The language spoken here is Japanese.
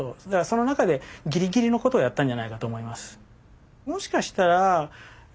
その中でギリギリのことをやったんじゃないかと思います。